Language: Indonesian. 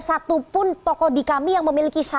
satupun tokoh di kami yang memiliki